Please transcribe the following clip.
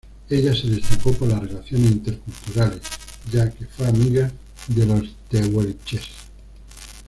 Ella se destacó por las relaciones interculturales ya que fue amiga de los tehuelches.